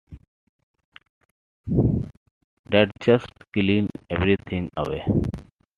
That just cleans everything away?